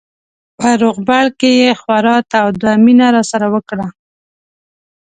په روغبړ کې یې خورا توده مینه راسره وکړه.